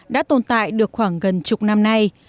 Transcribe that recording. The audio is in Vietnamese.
đã tồn tại được khoảng gần chục năm nay